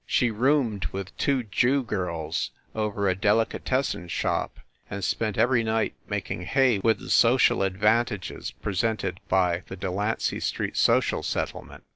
She roomed with two Jew girls, over a delicatessen shop and spent every night making hay with the social ad vantages presented by the Delancy Street Social Set tlement.